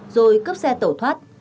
rồi cướp xe tẩu thoát